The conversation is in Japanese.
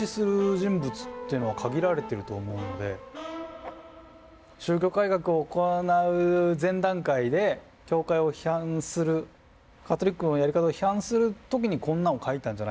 人物っていうのは限られてると思うんで宗教改革を行う前段階で教会を批判するカトリックのやり方を批判する時にこんなんを描いたんじゃないかなと。